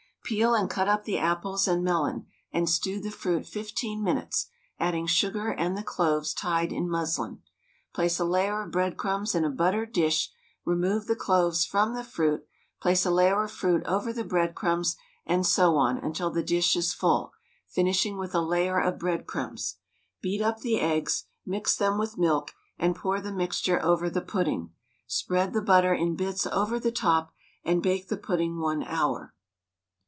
Peel and cut up the apples and melon, and stew the fruit 15 minutes, adding sugar and the cloves tied in muslin. Place a layer of breadcrumbs in a buttered dish, remove the cloves from the fruit, place a layer of fruit over the breadcrumbs, and so on until the dish is full, finishing with a layer of breadcrumbs; beat up the eggs, mix them with the milk, and pour the mixture over the pudding; spread the butter in bits over the top, and bake the pudding 1 hour.